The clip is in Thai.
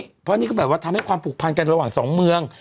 เพราะนี่ก็แบบว่าทำให้ความผูกพันกันระหว่างสองเมือง